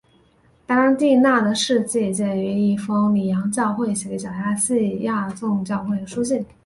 白郎弟娜的事迹见于一封里昂教会写给小亚细亚众教会的书信。